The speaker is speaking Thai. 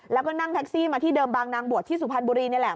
แล้วก็นั่งแท็กซี่มาที่เดิมบางนางบวชที่สุพรรณบุรีนี่แหละ